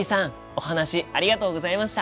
お話ありがとうございました！